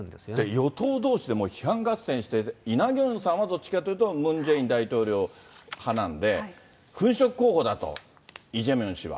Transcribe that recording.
与党どうしで批判合戦していて、イ・ナギョンさんはどっちかというとムン・ジェイン大統領はなんで、粉飾候補だと、イ・ジェミョン氏は。